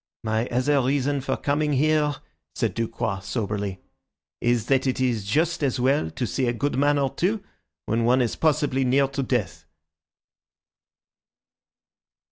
"My other reason for coming here," said Ducroix soberly, "is that it is just as well to see a good man or two when one is possibly near to death."